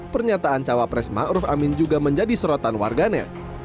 pernyataan cawapres ma'ruf amin juga menjadi sorotan warganet